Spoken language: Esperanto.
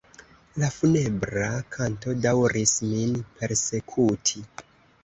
La funebra kanto daŭris min persekuti.